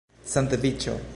sandviĉo